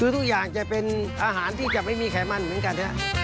ทุกอย่างจะเป็นอาหารที่จะไม่มีไขมันเหมือนกัน